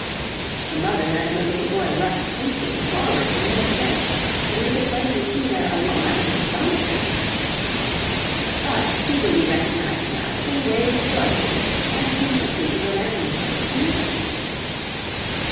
The mother and her little boy rushed hastily forward from near the tent, and we could plainly see their alarm and astonishment; but speedily recognizing us, they waved joyfully, and came quickly to the landing place to meet us.